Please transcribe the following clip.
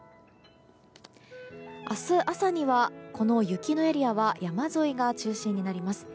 明日朝には、この雪のエリアは山沿いが中心になります。